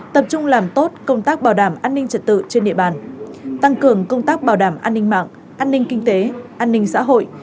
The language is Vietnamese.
tập trung làm tốt công tác bảo đảm an ninh trật tự trên địa bàn tăng cường công tác bảo đảm an ninh mạng an ninh kinh tế an ninh xã hội